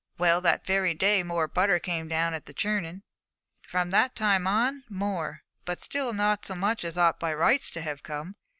Well, that very day more butter came at the churning, and from that time on, more, but still not so much as ought by rights to have come.